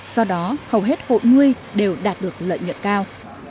do đó hầu hết hộ nuôi đều đạt được lợi nhuận cao